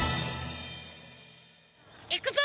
いくぞ！